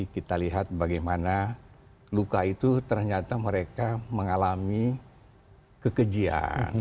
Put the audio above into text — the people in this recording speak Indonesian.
kita lihat bagaimana luka itu ternyata mereka mengalami kekejian